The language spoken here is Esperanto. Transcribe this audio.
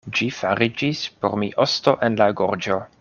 Ĝi fariĝis por mi osto en la gorĝo.